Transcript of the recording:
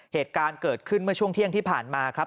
เหตุการณ์เกิดขึ้นเมื่อช่วงเที่ยงที่ผ่านมาครับ